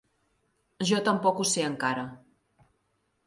Jo tampoc ho sé encara.